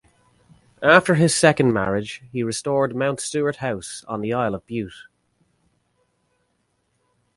After his second marriage, he restored Mount Stuart House on the Isle of Bute.